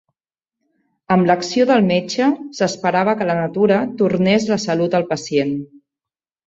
Amb l'acció del metge, s'esperava que la natura tornés la salut al pacient.